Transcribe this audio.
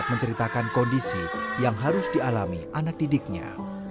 menceritakan kondisi yang harus dialami anak didiknya